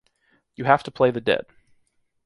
You have to play the dead.